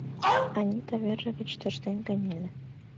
Анита верже гыч тӧрштен кынеле.